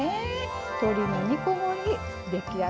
鶏の煮こごり出来上がりです。